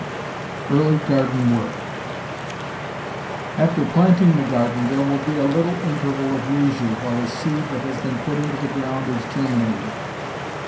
V EARLY GARDEN WORK After planting the garden there will be a little interval of leisure while the seed that has been put into the ground is germinating.